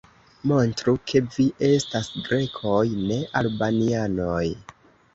Montru, ke vi estas Grekoj, ne Albanianoj!